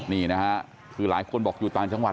นี่นะฮะคือหลายคนบอกอยู่ต่างจังหวัด